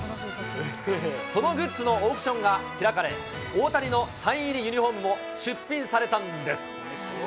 そのグッズのオークションが開かれ、大谷のサイン入りユニホームが出品されたんです。